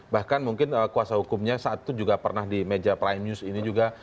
bahkan mungkin kuasa hukumnya saat itu juga pernah di meja prime news ini juga